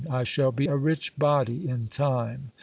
I shall be a rich body in time."